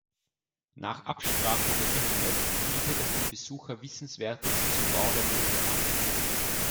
Nach Absprache geöffnet, bietet es dem Besucher Wissenswertes zum Bau der Brücke an.